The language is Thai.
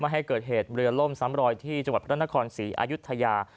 ให้เกิดเหตุเรือล่มซ้ำรอยที่จังหวัดพระนครศรีอายุทยา